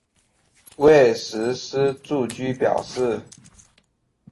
未施实住居表示。